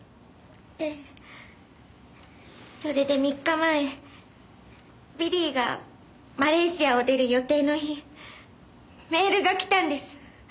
ええそれで３日前ビリーがマレーシアを出る予定の日メールが来たんです。